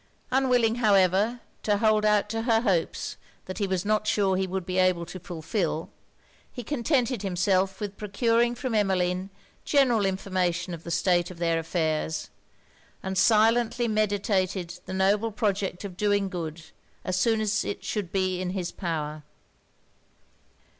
Unwilling however to hold out to her hopes that he was not sure he should be able to fulfil, he contented himself with procuring from Emmeline general information of the state of their affairs, and silently meditated the noble project of doing good, as soon as it should be in his power.